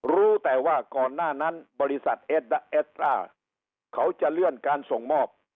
รู้แต่ว่าก่อนหน้านั้นบริษัทเอสตราเขาจะเลื่อนการส่งมอบ